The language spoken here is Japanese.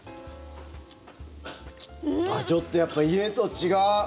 ちょっとやっぱ家と違う。